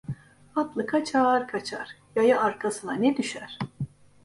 Atlı kaçar, kaçar; yaya arkasına ne düşer?